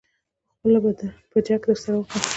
په خوله به جګ درسره وکړم.